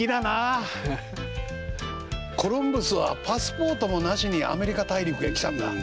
「コロンブスはパスポートもなしにアメリカ大陸へ来たんだ。